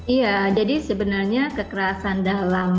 iya jadi sebenarnya kekerasan dalam